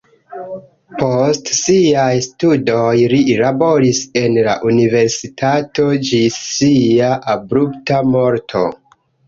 Post siaj studoj li laboris en la universitato ĝis sia abrupta morto.